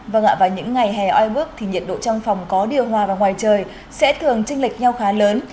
vâng ạ vào những ngày hè oi bước thì nhiệt độ trong phòng có điều hòa vào ngoài trời sẽ thường trinh lịch nhau khá lớn